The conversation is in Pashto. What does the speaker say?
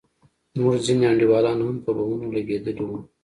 زموږ ځينې انډيوالان هم په بمونو لگېدلي وو.